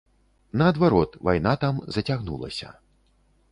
Наадварот, вайна там зацягнулася.